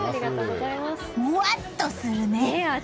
もわっとするね。